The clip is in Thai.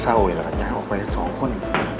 เศร้าเมื่อกายออกไป๒คน